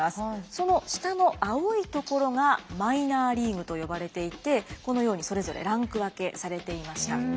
その下の青い所がマイナーリーグと呼ばれていてこのようにそれぞれランク分けされていました。